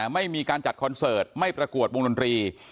ไม่มีการจัดคอนเสิร์ตไม่ประกวดวงดนตรี